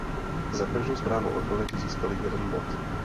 Za každou správnou odpověď získaly jeden bod.